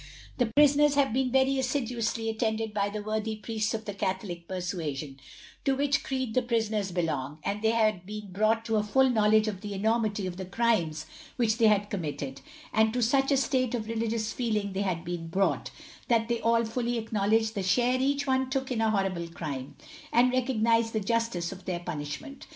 The prisoners have been very assiduously attended by the worthy Priests of the Catholic persuasion, to which creed the prisoners belong, and they had been brought to a full knowledge of the enormity of the crimes which they had committed; and to such a state of religious feeling had they been brought, that they all fully acknowledged the share each one took in the horrible crime, and recognized the justice of their punishment.